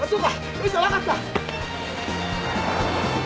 よし分かった。